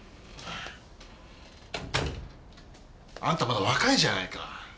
あんたまだ若いじゃないか。